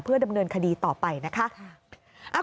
ดำเนินคดีต่อไปนะคะ